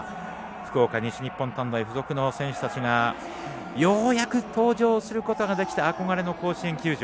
福岡、西日本短大付属の選手たちがようやく登場することができた憧れの甲子園球場。